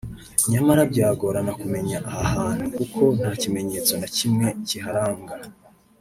nyamara byagorana kumenya aha hantu kuko nta kimenyetso na kimwe kiharanga